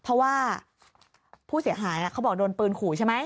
เพราะว่าผู้เสียหายเขาบอกโดนปืนขู่ใช่ไหม